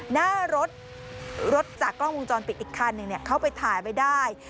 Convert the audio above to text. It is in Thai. หน้ารถรถจากกล้องวงจรปิดอีกคันหนึ่งเขาไปถ่ายไว้ได้